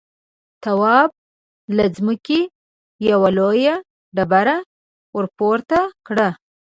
تواب له ځمکې يوه لويه ډبره ورپورته کړه.